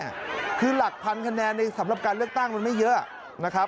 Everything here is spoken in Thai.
คือหลักพันคะแนนในสำหรับการเลือกตั้งมันไม่เยอะนะครับ